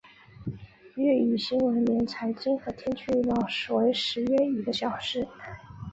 粤语新闻连财经和天气报告为时约一小时。